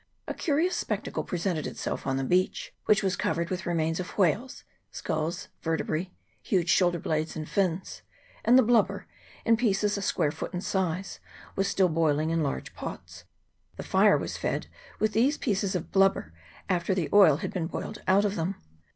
A curious spectacle presented itself on the beach, which was covered with remains of whales skulls, vertebrae, huge shoulder blades and fins ; and the blubber, in pieces a square foot in size, was still boiling in large pots : the fire was fed with these pieces of blubber, after the oil had been boiled out of them.